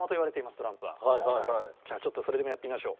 じゃあちょっとそれでもやってみましょう。